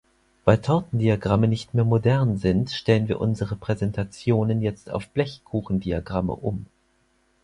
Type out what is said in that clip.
Weil Tortendiagramme nicht mehr modern sind, stellen wir unsere Präsentationen jetzt auf Blechkuchendiagramme um.